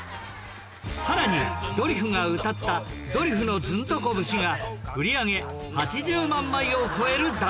さらにドリフが歌った『ドリフのズンドコ節』が売り上げ８０万枚を超える大ヒット！